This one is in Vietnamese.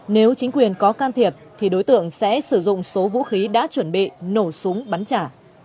nếu chính quyền có can thiệp thì đối tượng sẽ sử dụng số vũ khí đã chuẩn bị nổ súng bắn trả